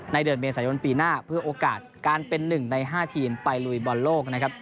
เดือนเมษายนปีหน้าเพื่อโอกาสการเป็น๑ใน๕ทีมไปลุยบอลโลกนะครับ